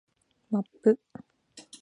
マップ